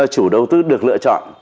chủ đầu tư được lựa chọn